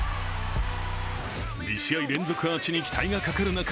２試合連続アーチに期待がかかる中